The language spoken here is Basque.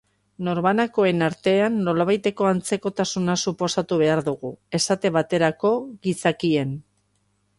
Norbanakoen artean nolabaiteko antzekotasuna suposatu behar dugu, esate baterako, gizakien.